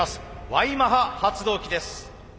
Ｙマハ発動機です。